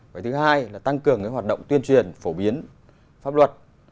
và thứ hai là tăng cường hoạt động tuyên truyền phổ biến pháp luật